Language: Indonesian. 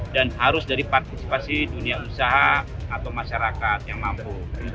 dan harus dari partisipasi dunia usaha atau masyarakat yang mampu